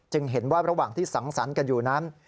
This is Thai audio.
เห็นว่าระหว่างที่สังสรรค์กันอยู่นั้น